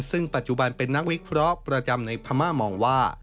ซึ่งปัจจุบันเป็นนักวิเคราะห์ประจำในพม่ามองว่า